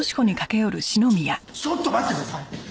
ちょっちょっと待ってください！